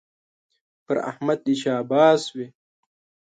پر احمد دې شاباس وي